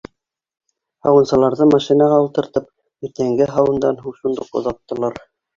Һауынсыларҙы, машинаға ултыртып, иртәнге һауындан һуң шундуҡ оҙаттылар.